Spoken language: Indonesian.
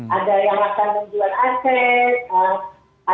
sepertinya mereka banyak berkepilasi pak